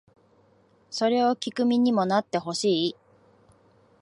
それを聴く身にもなってほしい